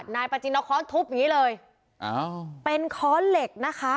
นายประจินเอาค้อนทุบอย่างนี้เลยเป็นค้อนเหล็กนะคะ